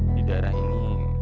di daerah ini